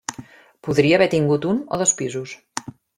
Podria haver tingut un o dos pisos.